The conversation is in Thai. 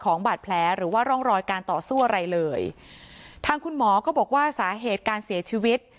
บาดแผลหรือว่าร่องรอยการต่อสู้อะไรเลยทางคุณหมอก็บอกว่าสาเหตุการเสียชีวิต